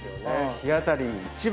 日当たり一番。